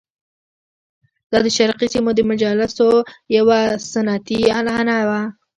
دا د شرقي سیمو د مجالسو یوه سنتي عنعنه وه.